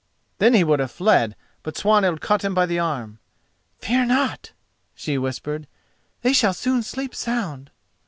Then he would have fled, but Swanhild caught him by the arm. "Fear not," she whispered, "they shall soon sleep sound."